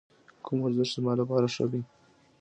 کوم ورزش زما لپاره ښه دی؟